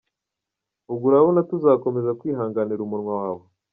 Ubwo urabona tuzakomeza kwihanganira umunwa wawe?”